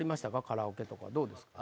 カラオケとかどうですか？